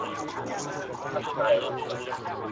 مېله ماته، غول ئې پاته.